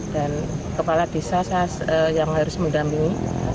dan kepala desa saya yang harus mendampingi